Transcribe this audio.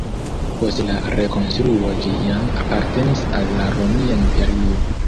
Post la rekonstruo ĝi jam apartenis al la Romia Imperio.